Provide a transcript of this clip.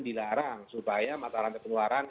dilarang supaya mata ranta pengeluaran